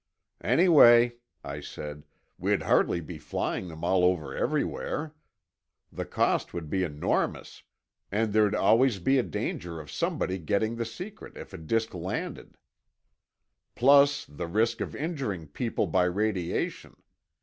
"Anyway," I said, "we'd hardly be flying them all over everywhere. The cost would be enormous, and there'd always be a danger of somebody getting the secret if a disk landed." "Plus the risk of injuring people by radiation.